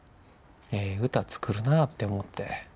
ええ歌作るなぁって思って。